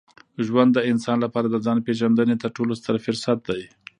ژوند د انسان لپاره د ځان پېژندني تر ټولو ستر فرصت دی.